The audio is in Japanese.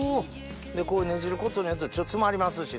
こうねじることによってちょっと詰まりますしね。